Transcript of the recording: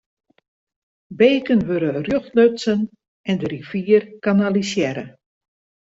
Beken wurde rjocht lutsen en de rivier kanalisearre.